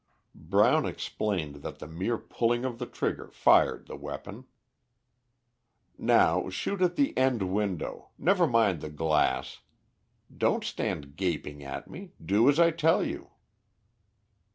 Brown explained that the mere pulling of the trigger fired the weapon. "Now shoot at the end window never mind the glass. Don't stand gaping at me, do as I tell you."